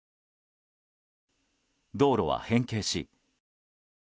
道路は変形し。